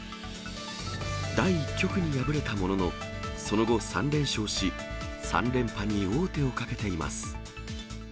第１局に敗れたものの、その後３連勝し、３連覇に王手をかけています。